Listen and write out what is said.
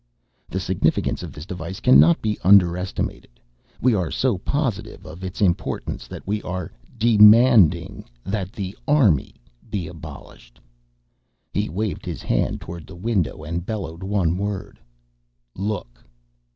"The significance of this device cannot be underestimated. We are so positive of its importance that we are demanding that the Army be abolished!" He waved his hand toward the window and bellowed one word. "LOOK!"